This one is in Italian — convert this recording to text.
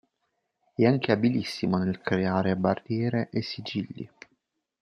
È anche abilissimo nel creare barriere e sigilli.